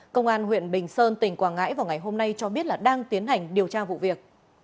công an huyện bình sơn tỉnh quảng ngãi vào ngày hôm nay cho biết là đang tiến hành điều tra vụ việc